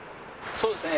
そうですね